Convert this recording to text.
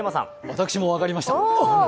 私も分かりました。